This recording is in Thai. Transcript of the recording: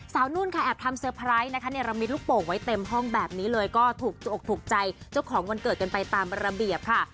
นุ่นค่ะแอบทำเซอร์ไพรส์นะคะเนรมิตลูกโป่งไว้เต็มห้องแบบนี้เลยก็ถูกอกถูกใจเจ้าของวันเกิดกันไปตามระเบียบค่ะ